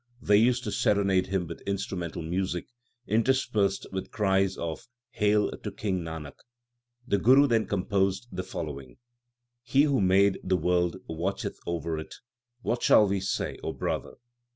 They used to serenade him with instru mental music, interspersed with cries of Hail to King Nanak ! The Guru there composed the fol lowing : He who made the world watcheth over it ; what shall we say, O brother